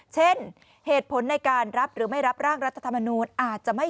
เช่นเหตุผลในการรับหรือไม่รับร่างรัฐธรรมนูญอาจจะไม่